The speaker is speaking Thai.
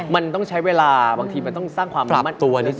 มันต้องใช้เวลาบางทีมันต้องสร้างความมั่นอีก